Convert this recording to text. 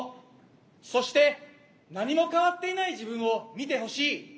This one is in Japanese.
そして何も変わっていない自分を見てほしい。